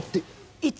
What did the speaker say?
いつ？